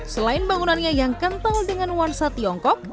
selain bangunannya yang kental dengan nuansa tiongkok